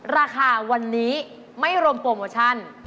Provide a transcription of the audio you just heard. ราคาวันนี้ไม่รวมโปรโมชั่น